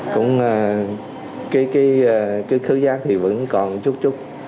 cũng cái khứ giác thì vẫn còn chút chút